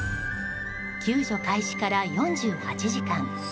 救助開始から４８時間。